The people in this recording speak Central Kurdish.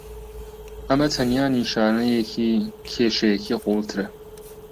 ئەمە تەنیا نیشانەیەکی کێشەیەکی قوڵترە.